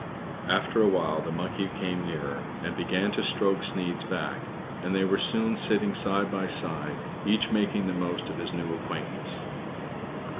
After a while, the monkey came nearer and began BLACK SNEID. Ill to stroke Sneid's back, and they were soon sitting side by side, each making the most of his new acquaintance.